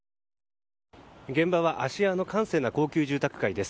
現場は芦屋の閑静な高級住宅街です。